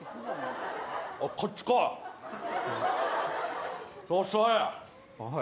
おい、こっち来い。